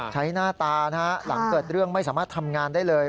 หน้าตานะฮะหลังเกิดเรื่องไม่สามารถทำงานได้เลย